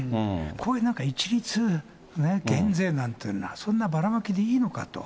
こういうなんか、一律減税なんていうのは、そんなばらまきでいいのかと。